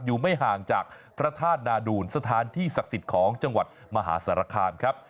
ไม่ห่างจากพระธาตุนาดูลสถานที่ศักดิ์สิทธิ์ของจังหวัดมหาสารคามครับ